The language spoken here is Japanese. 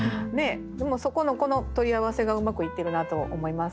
でもそこのこの取り合わせがうまくいってるなと思います。